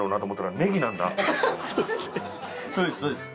そうです